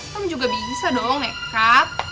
kan juga bisa dong nekat